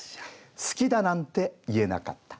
「好きだなんて言えなかった」。